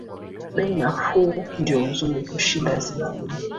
Bei nafuu ndio nzuri kushinda zingine